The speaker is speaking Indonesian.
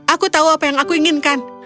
aku tahu apa yang aku inginkan